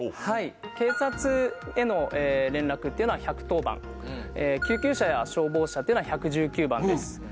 はい警察への連絡っていうのは１１０番救急車や消防車っていうのは１１９番です